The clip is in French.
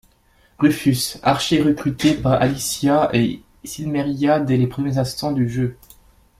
Rufus : archer recruté par Alicia et Silmeria dès les premiers instants du jeu.